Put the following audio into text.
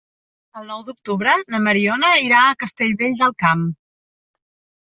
El nou d'octubre na Mariona irà a Castellvell del Camp.